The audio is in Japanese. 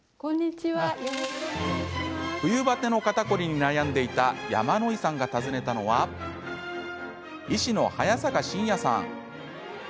冬バテの肩凝りに悩んでいた山野井さんが訪ねたのは医師の早坂信哉さん。